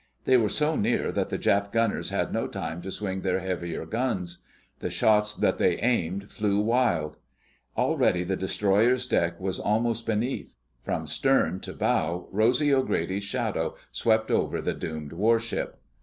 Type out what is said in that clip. They were so near that the Jap gunners had no time to swing their heavier guns. The shots that they aimed flew wild. Already the destroyer's deck was almost beneath. From stern to bow Rosy O'Grady's shadow swept over the doomed warship.